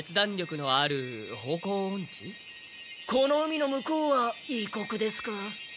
この海の向こうは異国ですか？